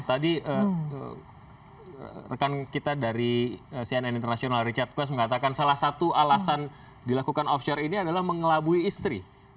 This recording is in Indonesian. tadi rekan kita dari cnn internasional richard kue mengatakan salah satu alasan dilakukan offshore ini adalah mengelabui istri